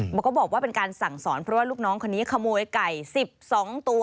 บอกว่าเป็นการสั่งสอนเพราะว่าลูกน้องคนนี้ขโมยไก่๑๒ตัว